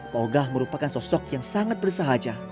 pogah merupakan sosok yang sangat bersahaja